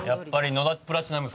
野田プラチナム。